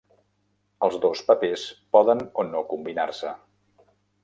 Els dos papers poden o no combinar-se.